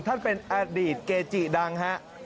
ท่านเป็นอดีตเกจิดังฮะ